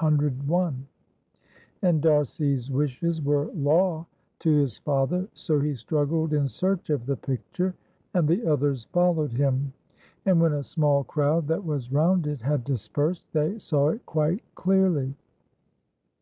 401, and D'Arcy's wishes were law to his father, so he struggled in search of the picture, and the others followed him. And when a small crowd that was round it had dispersed, they saw it quite clearly.